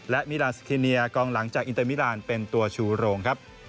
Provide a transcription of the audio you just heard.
และมิรานสคิเนียกองหลังจากอินเตอร์มิลานเป็นตัวชูโรงครับ